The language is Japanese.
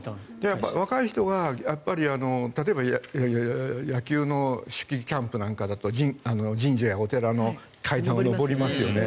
若い人が、例えば野球の秋季キャンプなんかだと神社やお寺の階段を上りますよね。